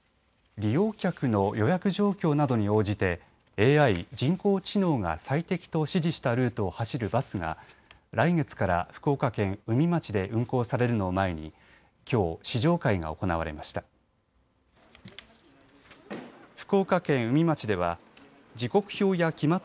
利用客の予約状況などに応じてＡＩ＝人工知能が最適と指示したルートを走るバスが来月から福岡県宇美町で運行されるのを前にきょう試乗会が行われました。